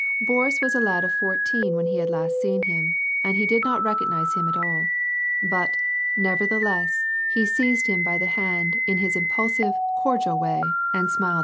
Boris was a lad of fourteen when he had last seen him, and he did not recognize him at all ; but, nevertheless, he seized him by the hand in his impulsive, cordial way, and smiled affectionately.